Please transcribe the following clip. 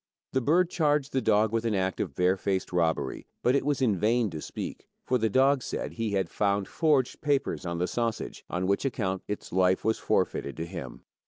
The bird charged the dog with an act of barefaced robbery, but it was in vain to speak, for the dog said he had found forged letters on the sausage, on which account its life was forfeited to him.